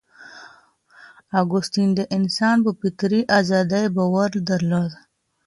اګوستین د انسان په فطري ازادۍ باور درلود.